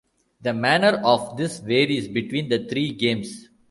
The manner of this varies between the three games.